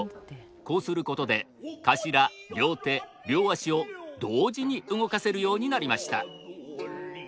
こうすることで頭両手両足を同時に動かせるようになりました。